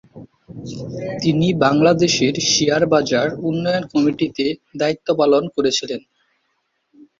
তিনি বাংলাদেশের শেয়ার বাজার উন্নয়ন কমিটিতে দায়িত্ব পালন করেছিলেন।